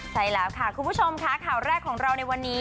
ใช่แล้วค่ะคุณผู้ชมค่ะข่าวแรกของเราในวันนี้